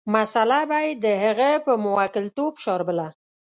مساله به یې د هغه په موکلتوب شاربله.